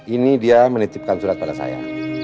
ini dia menitipkan surat pada saya